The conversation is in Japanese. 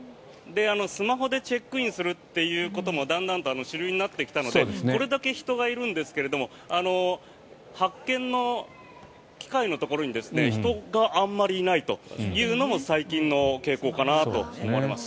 スマホでチェックインすることもだんだんと主流になってきたのでこれだけ人がいるんですけども発券の機械のところに人があまりいないというのも最近の傾向かなと思います。